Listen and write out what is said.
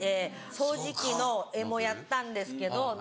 掃除機の柄もやったんですけど。